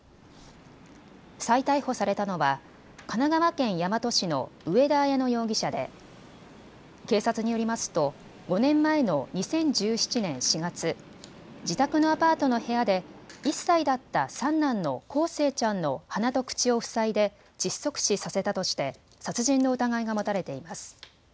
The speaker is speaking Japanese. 再逮捕されたのは神奈川県大和市の上田綾乃容疑者で警察によりますと５年前の２０１７年４月、自宅のアパートの部屋で１歳だった三男の康生ちゃんの鼻と口を塞いで窒息死させたとして殺人の疑いが持たれています。